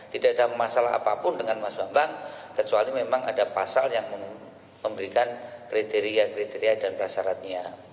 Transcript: tidak ada masalah apapun dengan mas bambang kecuali memang ada pasal yang memberikan kriteria kriteria dan prasaratnya